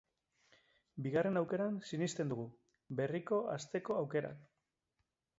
Bigarren aukeran sinisten dugu, berriko hasteko aukeran.